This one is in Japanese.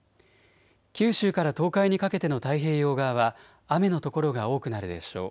九州から東海にかけての太平洋側は雨の所が多くなるでしょう。